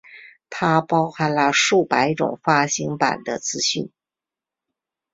它包含了数百种发行版的资讯。